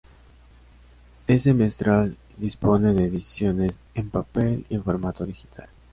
Es semestral y dispone de ediciones en papel y en formato digital.